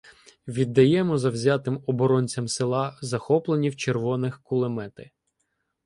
Віддаємо завзятим оборонцям села захоплені в червоних кулемети.